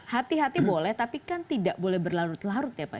hati hati boleh tapi kan tidak boleh berlarut larut ya pak